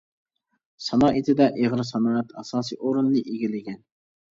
سانائىتىدە ئېغىر سانائەت ئاساسىي ئورۇننى ئىگىلىگەن.